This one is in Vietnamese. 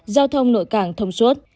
giao thông nội cảng thông suốt